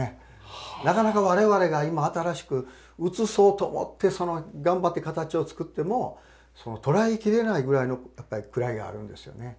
なかなか我々が今新しく写そうと思って頑張って形を作っても捉え切れないぐらいのやっぱり位があるんですよね。